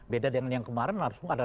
beda dengan yang kemarin